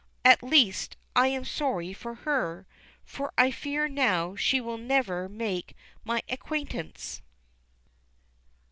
At least, I am sorry for her, for I fear now she will never make my acquaintance.